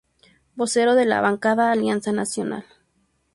Vocero de la bancada Alianza Nacional.